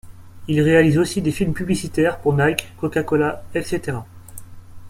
Il réalise aussi des films publicitaires pour Nike, Coca-Cola, etc.